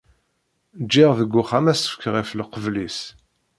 Ǧǧiɣ deg uxxam asefk ɣef lqebl-is.